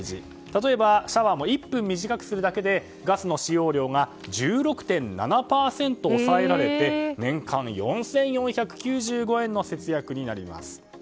例えばシャワーも１分短くするだけでガスの使用量が１６．７％抑えられて年間４４９５円の節約になります。